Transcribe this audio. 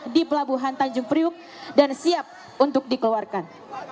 di pelabuhan tanjung priuk dan siap untuk dikeluarkan